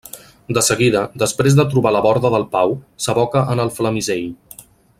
De seguida, després de trobar la borda del Pau, s'aboca en el Flamisell.